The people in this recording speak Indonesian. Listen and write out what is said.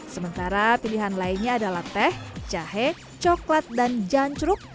sementara pilihan lainnya adalah teh jahe coklat dan janjruk